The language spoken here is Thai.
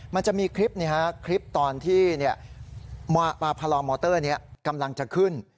มันจะมีคลิปคลิปตอนที่พลอมอเตอร์กำลังจะขึ้น